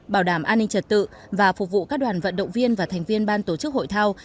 bảo đảm an ninh trật tự và phục vụ các đoàn vận động viên và thành viên ban tổ chức hội thao